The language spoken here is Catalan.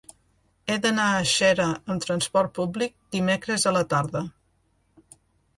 He d'anar a Xera amb transport públic dimecres a la tarda.